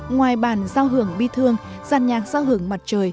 ngoài bản giao hưởng bi thương dàn nhạc giao hưởng mặt trời